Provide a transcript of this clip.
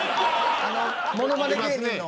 あのモノマネ芸人の。